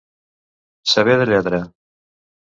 Saber de lletra.